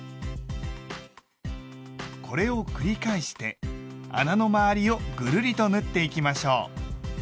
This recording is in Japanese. これを繰り返して穴の周りをぐるりと縫っていきましょう。